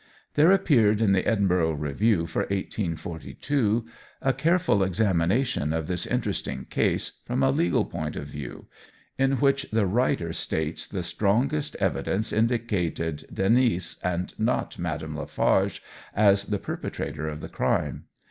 There appeared in the Edinburgh Review for 1842 a careful examination of this interesting case from a legal point of view, in which the writer states the strongest evidence indicated Denis and not Madame Lafarge as the perpetrator of the crime.